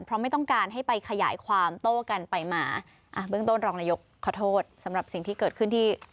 เพราะไม่ต้องการให้ไปขยายความโต้กันไปมาเบื้องต้นรองนายกขอโทษสำหรับสิ่งที่เกิดขึ้นที่